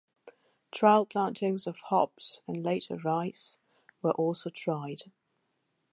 Trial plantings of hops, and later rice, were also tried.